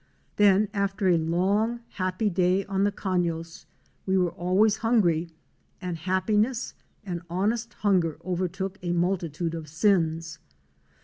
Then after a long, happy day on the cafios we were always hungry, and happiness and honest hunger overlook a multi tude of sins.